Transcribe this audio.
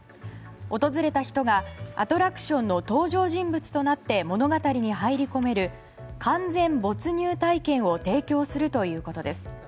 訪れた人が、アトラクションの登場人物となって物語に入り込める完全没入体験を提供するということです。